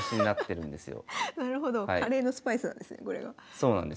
そうなんです。